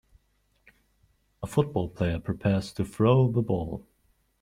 A football player prepares to throw the ball.